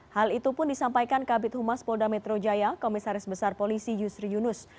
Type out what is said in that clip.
hal itu pun disampaikan kabit humas polda metro jaya komisaris besar polisi yusri yunus